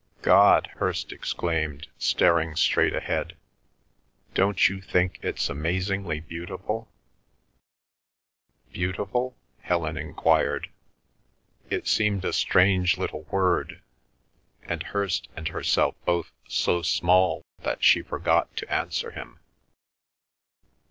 "God!" Hirst exclaimed, staring straight ahead. "Don't you think it's amazingly beautiful?" "Beautiful?" Helen enquired. It seemed a strange little word, and Hirst and herself both so small that she forgot to answer him.